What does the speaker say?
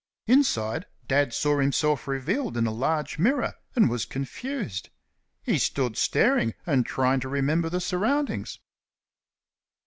Inside Dad saw himself revealed in a large mirror, and was confused. He stood staring and trying to remember the surroundings.